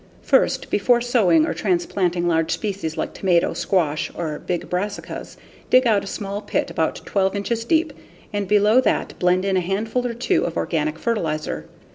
First, before sowing or transplanting large species like tomato, squash or big brassicas, dig out a small pit about 12 inches deep and below that blend in a handful or two of organic fertilizer.